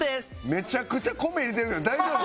めちゃくちゃ米入れてるけど大丈夫？